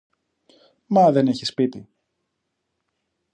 Μα δεν έχεις σπίτι;